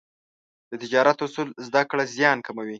د تجارت اصول زده کړه، زیان کموي.